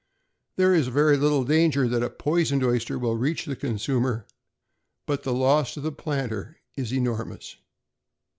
There is very little danger that a poisoned oyster will reach the consumer, but the loss to the planter is enormous.